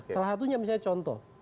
salah satunya misalnya contoh